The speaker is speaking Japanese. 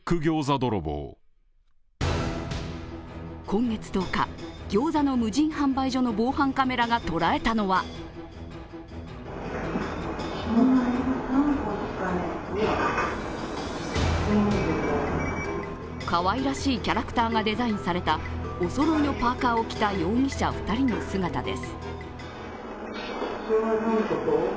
今月１０日、ギョーザの無人販売所の防犯カメラが捉えたのはかわいらしいキャラクターがデザインされたおそろいのパーカを着た容疑者２人の姿です。